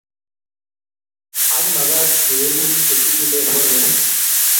ak magat keengu chetilel borwek